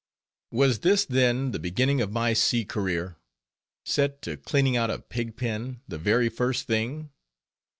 Was this then the beginning of my sea career? set to cleaning out a pig pen, the very first thing?